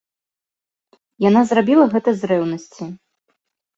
Яна зрабіла гэта з рэўнасці.